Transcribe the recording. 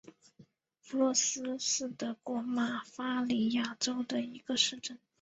弗洛斯是德国巴伐利亚州的一个市镇。